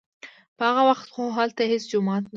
په هغه وخت خو هلته هېڅ جومات نه و.